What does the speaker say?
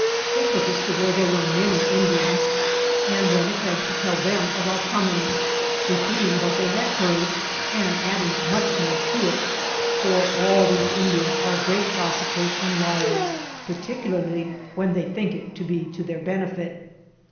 They took us to where there were many In dians, and went ahead to tell them of our coming, repeating what they had heard and adding much more to it, for all these In dians are great gossipers and liars, particu larly when they think it to be to their bene fit.